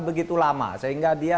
begitu lama sehingga dia